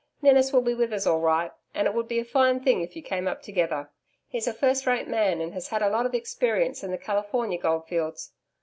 Ninnis will be in with us all right, and it would be a fine thing if you came up together. He's a first rate man, and has had a lot of experience in the Californian goldfields.